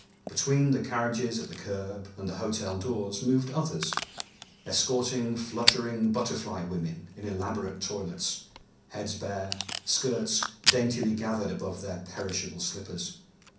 Between the carriages at the curb and the hotel doors moved others, escorting fluttering butterfly women in elaborate toilets, heads bare, skirts daintily gathered above their perishable slippers.